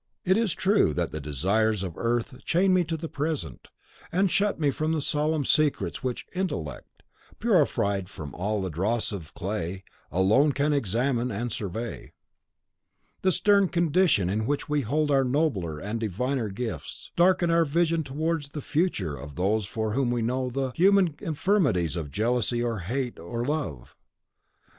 It is true that the desires of earth chain me to the present, and shut me from the solemn secrets which Intellect, purified from all the dross of the clay, alone can examine and survey. The stern condition on which we hold our nobler and diviner gifts darkens our vision towards the future of those for whom we know the human infirmities of jealousy or hate or love.